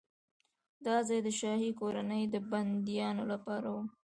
دا ځای د شاهي کورنۍ د بندیانو لپاره و.